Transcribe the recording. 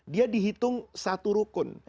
dia dihitung satu rukun